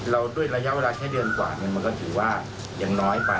แล้วด้วยระยะเวลาแค่เดือนกว่าหนึ่งมันก็ถือว่าอย่างน้อยไป